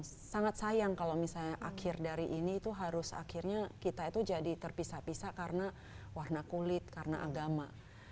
saya sangat sayang kalau misalnya akhir dari ini itu harus akhirnya kita itu jadi terpisah pisah karena warna kulit karena agama